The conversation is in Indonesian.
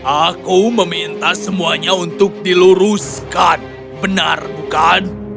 aku meminta semuanya untuk diluruskan benar bukan